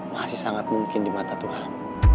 masih sangat mungkin di mata tuhan